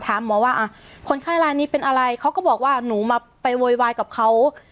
ถามหมอว่าคนไข้ลายนี้เป็นอะไรเขาก็บอกว่าหนูมาไปโวยวายกับเขา